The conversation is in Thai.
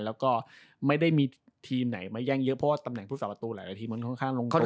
แล้วก็ไม่ได้มีทีมไหนมาแย่งเยอะเพราะว่าตำแหน่งผู้สาวประตูหลายทีมมันค่อนข้างลงข้าง